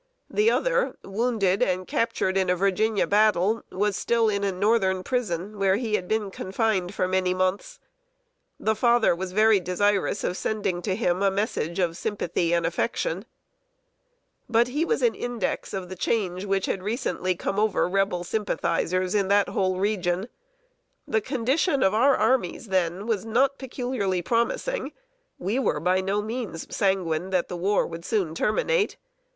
The other, wounded and captured in a Virginia battle, was still in a Northern prison, where he had been confined for many months. The father was very desirous of sending to him a message of sympathy and affection. [Sidenote: SANGUINE HOPES OF LOYAL MOUNTAINEERS.] But he was an index of the change which had recently come over Rebel sympathizers in that whole region. The condition of our armies then was not peculiarly promising. We were by no means sanguine that the war would soon terminate.